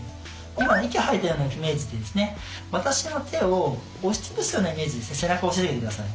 今息吐いたようなイメージで私の手を押しつぶすようなイメージで背中を押してください。